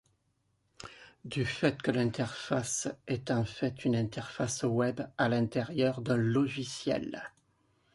Du fait que l'interface est en fait une interface web à l'intérieur d'un logiciel,